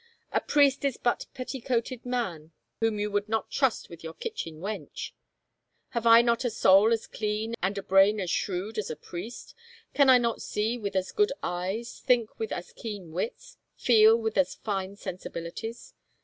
A priest is but petti coated man whom you would not trust with your kitchen wench. Have I not a soul as clean and a brain as shrewd as a priest? Can I not see with as good eyes, think with as keen wits, feel with as fine sensibilities